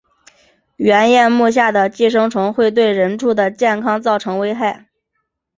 圆叶目下的寄生虫会对人畜的健康造成危害。